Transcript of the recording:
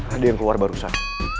ada yang keluar barusan